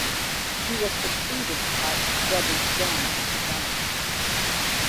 He was succeeded by his brothers Gann and Genann.